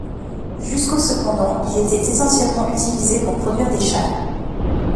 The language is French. Jusqu'au cependant, il était essentiellement utilisé pour produire des châles.